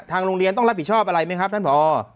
โรงเรียนต้องรับผิดชอบอะไรไหมครับท่านผอ